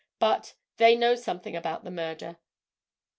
But—they know something about the murder.